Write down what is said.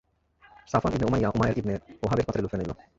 সাফওয়ান ইবনে উমাইয়া উমাইর ইবনে ওহাবের কথাটি লুফে নিল।